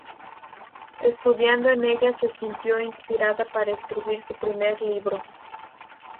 Estudiando en ella se sintió inspirada para escribir su primer libro.